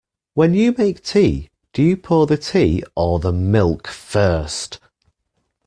When you make tea, do you pour the tea or the milk first?